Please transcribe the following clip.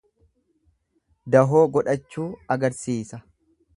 Dahoo godhachuu agarsiisa.